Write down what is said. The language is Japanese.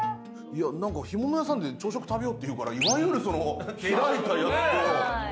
干物屋さんで朝食食べようっていうからいわゆるその開いたやつと味噌汁と。